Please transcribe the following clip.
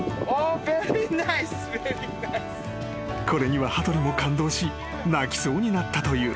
［これには羽鳥も感動し泣きそうになったという］